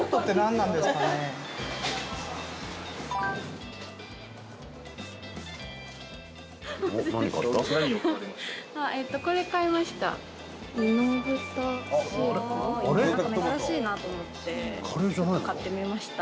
なんか珍しいなと思って買ってみました。